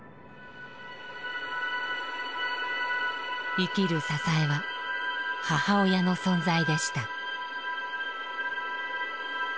生きる支えは母親の存在でした。